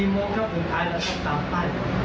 ๔โมงครับสองท้ายแล้วสามต้าน